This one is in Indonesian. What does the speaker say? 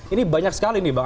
ini banyak sekali nih bang